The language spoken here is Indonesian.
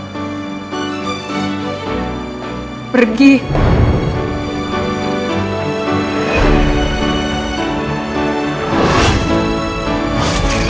sekarang pergi kamu dari rumahku